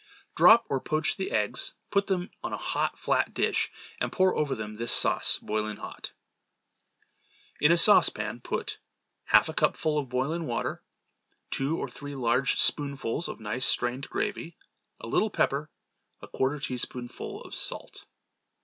Drop or poach the eggs; put them on a hot, flat dish and pour over them this sauce boiling hot. In a saucepan put half a cupful of boiling water. Two or three large spoonfuls of nice strained gravy. A little pepper. A quarter teaspoonful of salt.